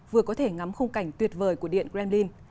vừa có thể ngắm khung cảnh tuyệt vời của điện kremlin